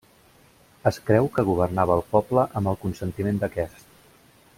Es creu que governava el poble amb el consentiment d'aquest.